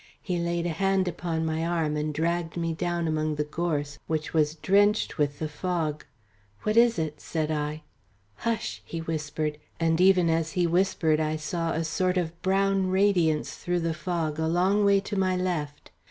He laid a hand upon my arm and dragged me down among the gorse, which was drenched with the fog. "What is it?" said I. "Hush," he whispered; and even as he whispered I saw a sort of brown radiance through the fog a long way to my left.